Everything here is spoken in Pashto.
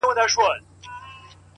هره ناکامي د اصلاح پیغام لري؛